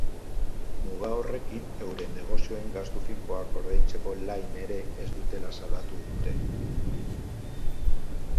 Muga horrekin euren negozioen gastu finkoak ordaintzeko lain ere ez dutela salatu dute.